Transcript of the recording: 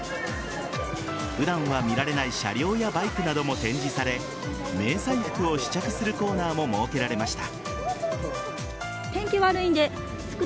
普段は見られない車両やバイクなども展示され迷彩服を試着するコーナーも設けられました。